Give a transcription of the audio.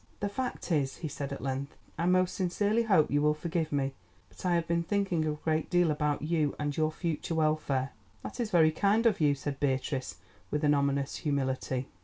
"The fact is," he said at length, "I most sincerely hope you will forgive me, but I have been thinking a great deal about you and your future welfare." "That is very kind of you," said Beatrice, with an ominous humility.